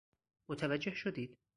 متوجه شدید؟